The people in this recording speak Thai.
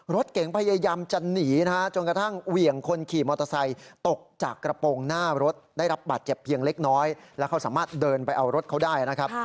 รถเก๋งพยายามจะหนีนะฮะจนกระทั่งเหวี่ยงคนขี่มอเตอร์ไซค์ตกจากกระโปรงหน้ารถได้รับบาดเจ็บเพียงเล็กน้อยแล้วเขาสามารถเดินไปเอารถเขาได้นะครับ